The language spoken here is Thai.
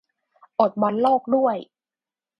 อดบอลโลกด้วย